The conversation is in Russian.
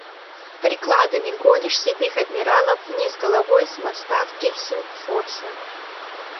Прикладами гонишь седых адмиралов вниз головой с моста в Гельсингфорсе.